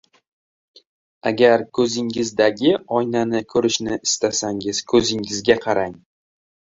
Agar ko'zingizdagi oynani ko'rishni istasangiz, ko'zingizga qarang.